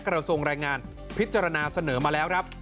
กระทรวงแรงงานพิจารณาเสนอมาแล้วครับ